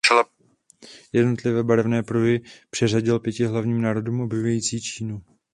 Jednotlivé barevné pruhy přiřadil pěti hlavním národům obývající Čínu.